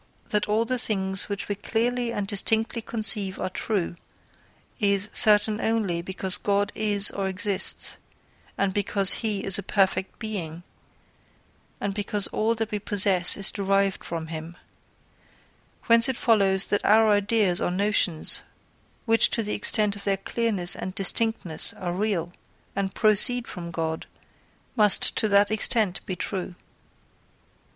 that all the things which we clearly and distinctly conceive are true, is certain only because God is or exists and because he is a Perfect Being, and because all that we possess is derived from him: whence it follows that our ideas or notions, which to the extent of their clearness and distinctness are real, and proceed from God, must to that extent be true.